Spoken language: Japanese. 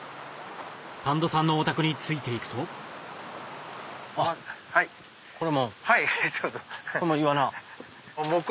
谷戸さんのお宅について行くとあっこれも。